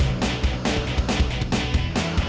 apalagi kasar depan gue